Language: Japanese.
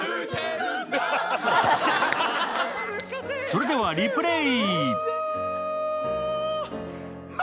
それでは、リプレー。